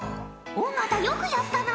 尾形よくやったな。